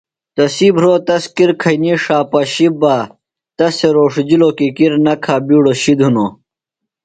تسی بھروۡ تس کِر کھئینی ݜا پشیۡ بہ تس تھےۡ روݜِجِلوۡ کی کِر نہ کھہ بیڈوۡ شِد ہِنوۡ۔